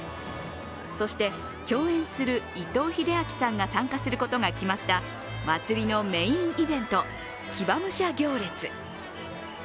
そして共演する伊藤英明さんが参加することが決まった、祭りのメインイベント騎馬武者行列。